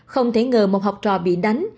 không thể ngờ một học trò bị đánh